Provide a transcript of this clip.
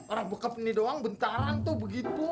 orang bekap ini doang bentaran tuh begitu